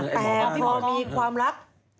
แต่พอมีความรัก